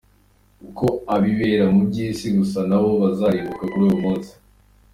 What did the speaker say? Kuko abibera mu byisi gusa nabo bazarimbuka kuli uwo munsi.